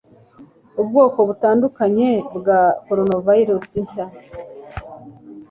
Ubwoko butandukanye bwa coronavirus nshya